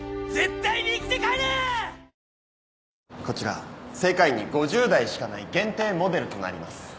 こちら世界に５０台しかない限定モデルとなります。